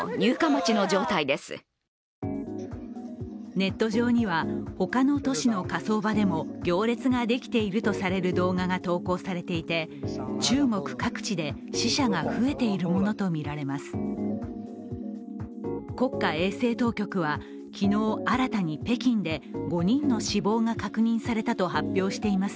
ネット上には、他の都市の火葬場でも行列ができているとされる動画が投稿されていて、中国各地で死者が増えているものとみられます。